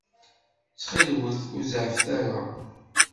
Ttxil-wet, ur zeɛɛfet ara.